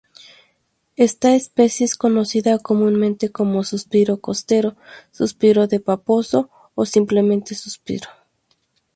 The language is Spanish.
Esta especie es conocida comúnmente como 'Suspiro costero', 'Suspiro de Paposo' o simplemente 'Suspiro'.